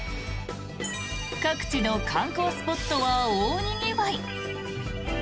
各地の観光スポットは大にぎわい。